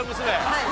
はい。